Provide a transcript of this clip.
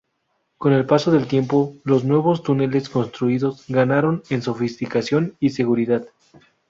Con el paso del tiempo, los nuevos túneles construidos ganaron en sofisticación y seguridad.